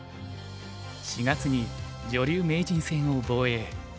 ４月に女流名人戦を防衛。